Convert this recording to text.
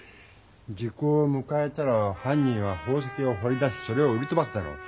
時効をむかえたらはん人は宝石をほり出しそれを売りとばすだろう。